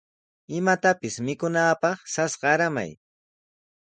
Imatapis mikunaapaq sas qaramay.